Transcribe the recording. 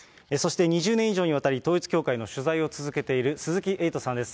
そして２０年以上にわたり、統一教会の取材を続けている鈴木エイトさんです。